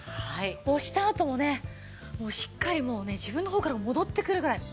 押したあともねしっかりもうね自分の方から戻ってくるぐらい。